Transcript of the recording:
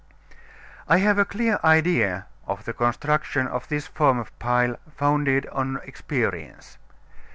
I have a clear idea of the construction of this form of pile, founded on experience.